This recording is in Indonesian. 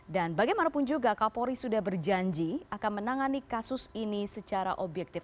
dan bagaimanapun juga kapolri sudah berjanji akan menangani kasus ini secara objektif